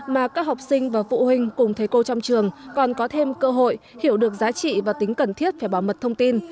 mà các học sinh và phụ huynh cùng thầy cô trong trường còn có thêm cơ hội hiểu được giá trị và tính cần thiết phải bảo mật thông tin